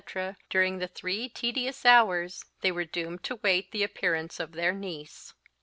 during the three tedious hours they were doomed to wait the appearance of their niece.